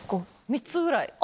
３つぐらい。